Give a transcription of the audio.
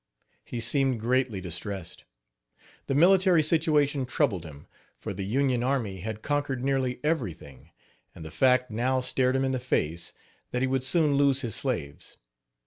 He seemed greatly distressed. The military situation troubled him, for the Union army had conquered nearly everything; and the fact now stared him in the face that he would soon lose his slaves.